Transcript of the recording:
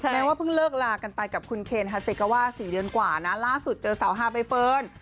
แม้ว่าเพิ่งเลิกลากันไปกับคุณเคนฮาเซกาว่า๔เดือนกว่านะล่าสุดเจอสาวฮาใบเฟิร์น